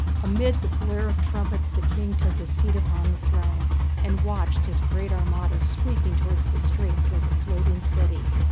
Amid the blare of trumpets the King took his seat upon his throne, and watched his great armada sweeping towards the straits like a floating city.